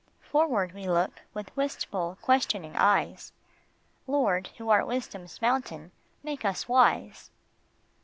Forward we look with wistful, questioning eyes ; Lord, who art wisdom's fountain, make us wise.